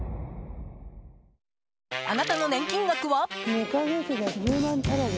あなたの年金額は？